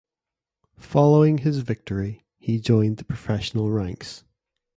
Following his victory, he joined the professional ranks.